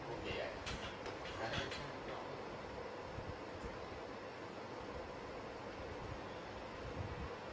สวัสดีทุกคน